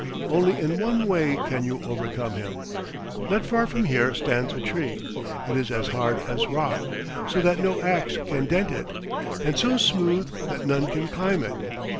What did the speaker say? Only in one way can you overcome him. Not far from here stands a tree. It is as hard as rock, so that no ax can dent it, and so smooth that none can climb it.